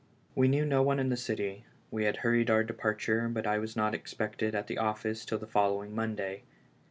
We knew no one in the city; we had hurried our departure, but I was not expected at the office till the following Monday.